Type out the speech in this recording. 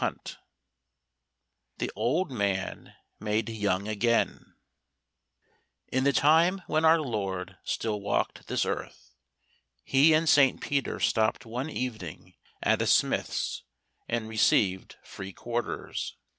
147 The Old Man Made Young Again In the time when our Lord still walked this earth, he and St. Peter stopped one evening at a smith's and received free quarters.